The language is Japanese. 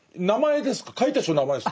書いた人の名前ですか？